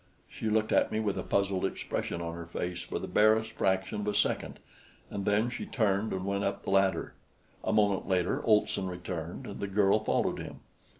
She looked at me with a puzzled expression on her face for the barest fraction of a second, and then she turned and went up the ladder. A moment later Olson returned, and the girl followed him.